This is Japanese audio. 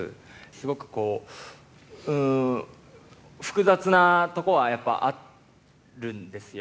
すごくこう、複雑なとこはやっぱあるんですよ。